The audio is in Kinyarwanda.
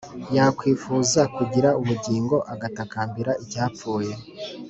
yakwifuza kugira ubugingo, agatakambira icyapfuye;